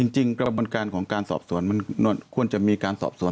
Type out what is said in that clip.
กระบวนการของการสอบสวนมันควรจะมีการสอบสวน